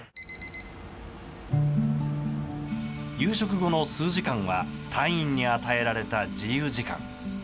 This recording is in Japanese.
夕食後の数時間は隊員に与えられた自由時間。